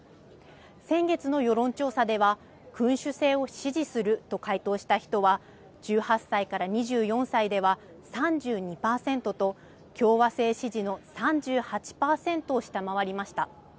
先月の世論調査では、君主制を支持すると回答した人は１８歳から２４歳では３２％と、共和制支持の３８％下回りました。